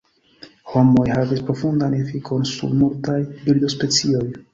Homoj havis profundan efikon sur multaj birdospecioj.